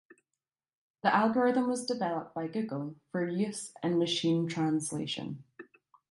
The algorithm was developed by Google for use in machine translation.